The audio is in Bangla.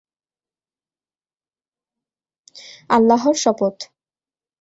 আল্লাহর শপথ!